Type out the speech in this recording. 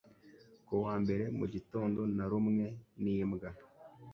Ku wa mbere mu gitondo narumwe n'imbwa.